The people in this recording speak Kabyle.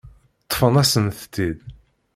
Ṭṭfen-asent-tt-id.